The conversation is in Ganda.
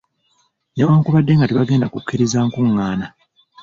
Newankubadde nga tebagenda kukkiriza nkungaana.